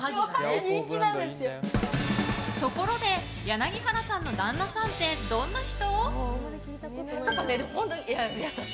ところで、柳原さんの旦那さんってどんな人？